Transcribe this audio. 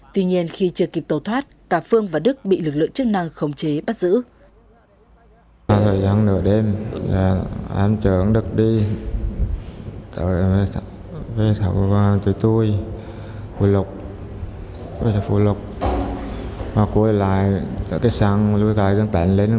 tuy nhiên khi chưa kịp tàu thoát cả phương và đức bị lực lượng chức năng khống chế bắt giữ